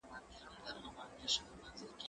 زه پرون سفر وکړ؟!